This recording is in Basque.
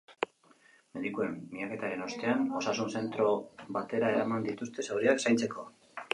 Medikuen miaketaren ostean osasun-zentro batera eraman dituzte zauriak zaintzeko.